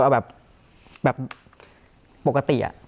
แบบแบบปกติอะ